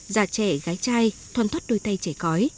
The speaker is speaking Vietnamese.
già trẻ gái trai thoan thoát đôi tay chảy cõi